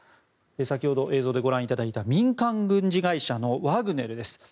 先ほど、映像でご覧いただいた民間軍事会社のワグネルです。